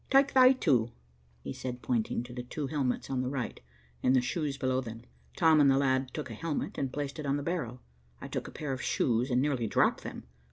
"Tike they two," he said, pointing to the two helmets on the right and the shoes below them. Tom and the lad took a helmet, and placed it on the barrow. I took a pair of shoes, and nearly dropped them.